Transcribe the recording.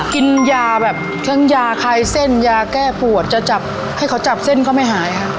กินยาแบบทั้งยาคลายเส้นยาแก้ปวดจะจับให้เขาจับเส้นก็ไม่หายค่ะ